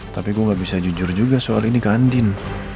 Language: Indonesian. tapi gue nggak bisa jujur juga soal ini ke andin